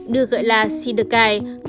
được gọi là sideci